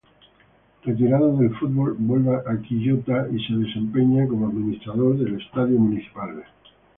Retirado del fútbol, vuelve a Quillota y se desempeña como administrador del Estadio Municipal.